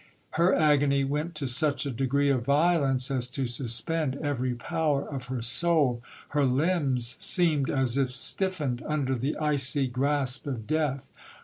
Her agony went to such a degree of violence, as to suspend every power of her soul. Her limbs seemed as if stiffened under the icy grasp of death.